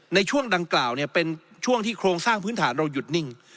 ในช่วงดังกล่าวเป็นช่วงที่โครงสร้างพื้นฐานเราหยุดนิ่ง